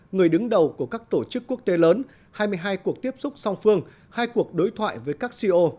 người đứng đầu của các tổ chức quốc tế lớn hai mươi hai cuộc tiếp xúc song phương hai cuộc đối thoại với các co